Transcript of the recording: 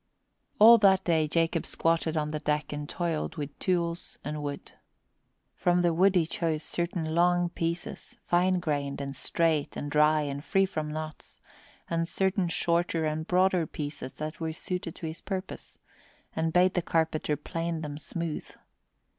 All that day Jacob squatted on the deck and toiled with tools and wood. From the wood he chose certain long pieces, fine grained and straight and dry and free from knots, and certain shorter and broader pieces that were suited to his purpose, and bade the carpenter plane them smooth.